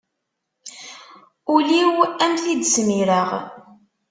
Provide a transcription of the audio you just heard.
Ul-iw am t-id-smireɣ.